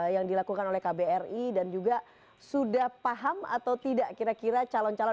yang dilakukan oleh kbri dan juga sudah paham atau tidak kira kira calon calon